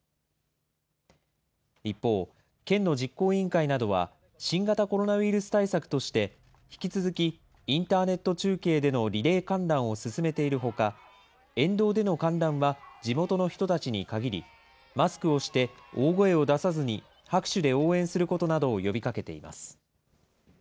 一方、県の実行委員会などは、新型コロナウイルス対策として、引き続きインターネット中継でのリレー観覧を勧めているほか、沿道での観覧は地元の人たちに限り、マスクをして大声を出さずに、拍手で応援することなどを呼びかけています。